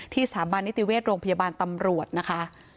สถาบันนิติเวชโรงพยาบาลตำรวจนะคะ